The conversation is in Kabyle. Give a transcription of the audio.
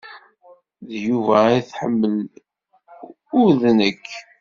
D Yuba ay tḥemmel, ur d nekk.